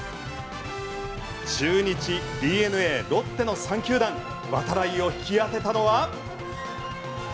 中日、ＤｅＮＡロッテの３球団度会を引き当てたのは。